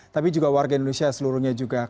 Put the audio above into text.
tapi juga warga indonesia seluruhnya juga